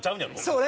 そう。